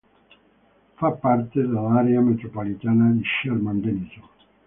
Fa parte dell'area metropolitana di Sherman-Denison.